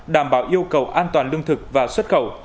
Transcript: đảm bảo yêu cầu an toàn lương thực và xuất khẩu